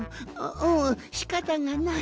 んしかたがない。